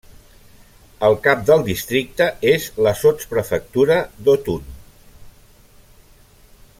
El cap del districte és la sotsprefectura d'Autun.